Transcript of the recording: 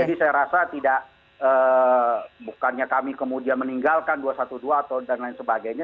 jadi saya rasa tidak bukannya kami kemudian meninggalkan dua ratus dua belas atau dan lain sebagainya